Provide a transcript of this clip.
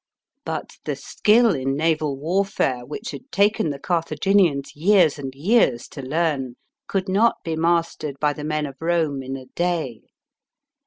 But the skill in naval warfare, which had taken the Carthaginians years and years to learn, could not be mastered by the men of Rome in a day.